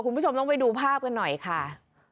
คุณผู้ชมต้องไปดูภาพกันหน่อยค่ะ